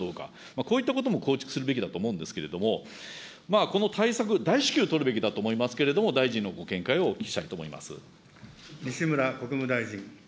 こういったことも構築するべきだと思うんですけれども、この対策、大至急取るべきだと思いますけれども、大臣のご見解をお聞きしたいと思います。